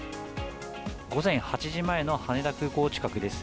午前８時前の羽田空港近くです。